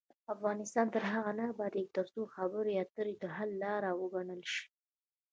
افغانستان تر هغو نه ابادیږي، ترڅو خبرې اترې د حل لار وګڼل شي.